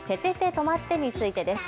とまって！についてです。